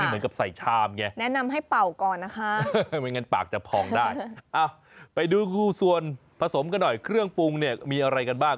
ไม่งั้นปากจะพองได้ไปดูส่วนผสมกันหน่อยเครื่องปรุงเนี่ยมีอะไรกันบ้าง